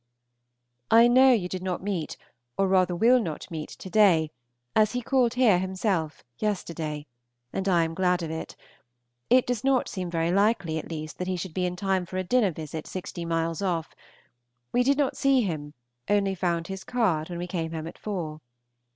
I know you did not meet, or rather will not meet, to day, as he called here yesterday; and I am glad of it. It does not seem very likely, at least, that he should be in time for a dinner visit sixty miles off. We did not see him, only found his card when we came home at four.